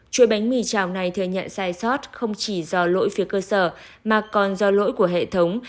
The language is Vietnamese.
chuỗi bánh mì trào này thừa nhận sai sót không chỉ do lỗi phía cơ sở mà còn do lỗi của hệ thống